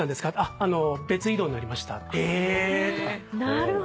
なるほど。